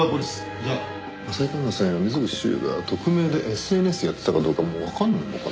じゃあ浅井環那さんや溝口修也が匿名でＳＮＳやってたかどうかもわかるのかな？